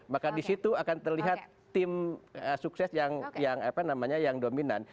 maka di situ akan terlihat tim sukses yang dominan